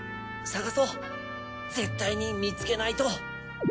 探そう絶対に見つけないと。